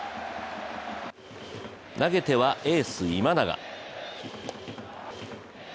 投げてはエース・今永。